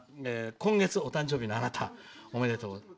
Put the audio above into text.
今週お誕生日のあなたおめでとうございます。